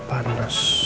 maksudnya kalian di situ